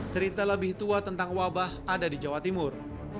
cerita lebih tua tentang wabah ada di jawa timur